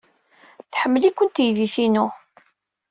Tḥemmel-iken teydit-inu.